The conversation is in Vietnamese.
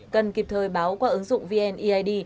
cần kịp thời báo qua ứng dụng vneid